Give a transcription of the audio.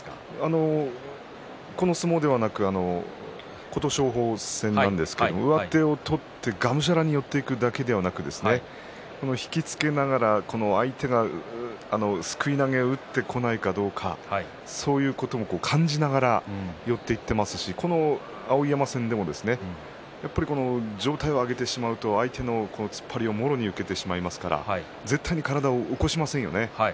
この相撲ではなく琴勝峰戦なんですが上手を取って、がむしゃらに寄っていくだけではなくて引き付けながら相手がすくい投げを打ってこないかどうかそういうことも感じながら寄っていっていますし碧山戦でも上体を上げてしまうと相手の突っ張りをもろに受けてしまいますから絶対に体を起こしませんよね。